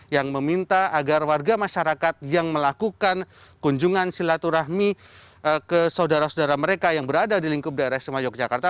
yang meminta agar warga masyarakat yang melakukan kunjungan silaturahmi ke saudara saudara mereka yang berada di lingkup daerah sema yogyakarta